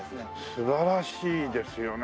素晴らしいですよね